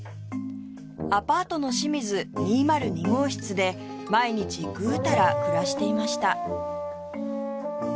アパートの清水２０２号室で毎日グータラ暮らしていました